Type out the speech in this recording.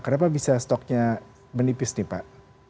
kenapa bisa stoknya menipis nih pak